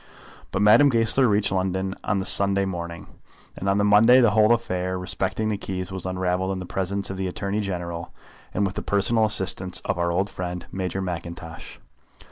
But Madame Goesler reached London on the Sunday morning, and on the Monday the whole affair respecting the key was unravelled in the presence of the Attorney General, and with the personal assistance of our old friend, Major Mackintosh.